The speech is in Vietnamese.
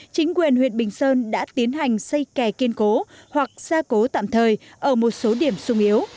chính quyền huyện bình sơn đã tiến hành xây kè kiên cố hoặc gia cố tạm thời ở một số điểm sung yếu